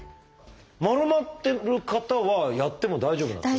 丸まってる方はやっても大丈夫なんですか？